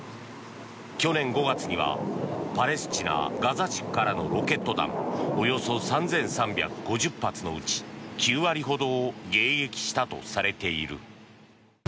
去年５月にはパレスチナ・ガザ地区からのロケット弾およそ３３５０発のうち９割ほどを迎撃したとされている。